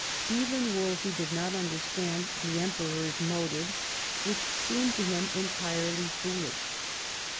Even Wolsey did not understand the Emperor's motives, which seemed to him entirely foolish.